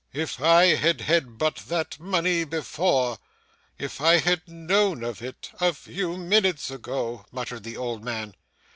'If I had had but that money before If I had only known of it a few minutes ago!' muttered the old man.